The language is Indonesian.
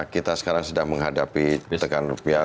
kita sekarang sedang menghadapi tekan rupiah